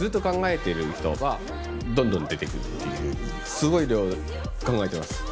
すごい量考えてます。